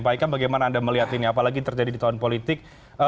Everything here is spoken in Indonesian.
pak hikam bagaimana anda melihat ini apalagi terjadi di tahun politik